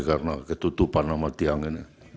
karena ketutupan sama tiang ini